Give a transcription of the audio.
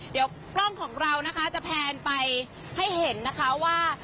เดี๋ยวกล้องของเรานะคะจะแพนไปให้เห็นนะคะว่า